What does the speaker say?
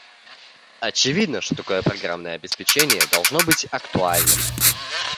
Очевидно, что такое программное обеспечение должно быть актуальным